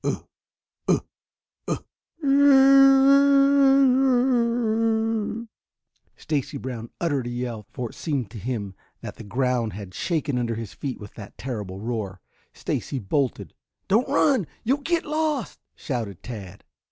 "Ugh ugh ugh, oo oo ooo o o o o!" Stacy Brown uttered a yell, for it seemed to him that the ground had shaken under his feet with that terrible roar. Stacy bolted. "Don't run! You'll get lost!" shouted Tad.